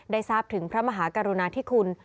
ทราบถึงพระมหากรุณาธิคุณ